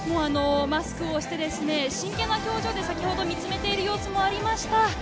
マスクをして、真剣な表情で先ほど見つめてる様子もありました。